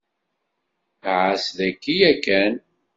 Ɛas daki yakan.